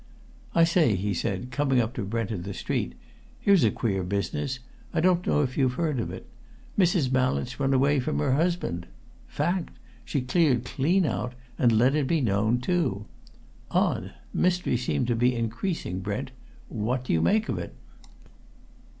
"I say," he said, coming up to Brent in the street, "here's a queer business I don't know if you've heard of it. Mrs. Mallett's run away from her husband! Fact! She's cleared clean out, and let it be known too. Odd mysteries seem to be increasing, Brent. What do you make of it?"